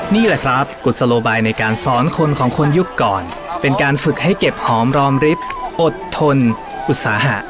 นี่แหละครับกุศโลบายในการสอนคนของคนยุคก่อนเป็นการฝึกให้เก็บหอมรอมริฟอดทนอุตสาหะ